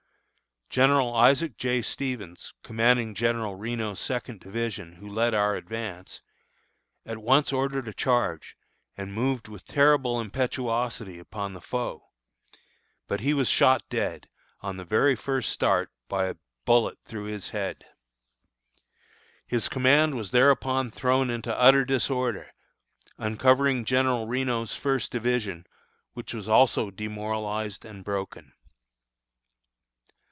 General Isaac J. Stevens, commanding General Reno's Second division, who led our advance, at once ordered a charge and moved with terrible impetuosity upon the foe; but he was shot dead, on the very start, by a bullet through his head. His command was thereupon thrown into utter disorder, uncovering General Reno's First division, which was also demoralized and broken.